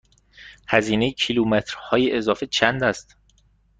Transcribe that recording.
هزینه کیلومترهای اضافه چند است؟